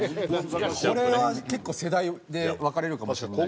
これは結構世代で分かれるかもしれない。